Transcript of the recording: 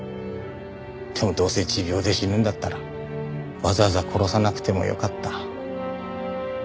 でもどうせ持病で死ぬんだったらわざわざ殺さなくてもよかった。